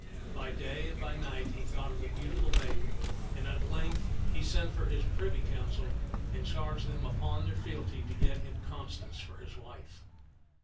By day and by night he thought of the beautiful maiden, and at length he sent for his privy council and charged them upon their fealty to get him Constance for his wife.